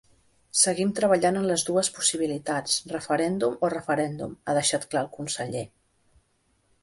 Seguim treballant en les dues possibilitats: referèndum o referèndum, ha deixat clar el conseller.